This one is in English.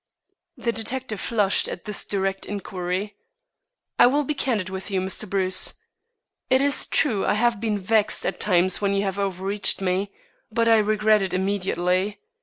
The detective flushed at this direct inquiry. "I will be candid with you, Mr. Bruce. It is true I have been vexed at times when you have overreached me; but I regret it immediately.